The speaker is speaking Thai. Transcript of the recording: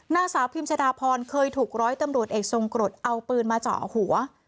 นางสาวพิมชะดาพรเคยถูกร้อยตำรวจเอกทรงกรดเอาปืนมาเจาะหัว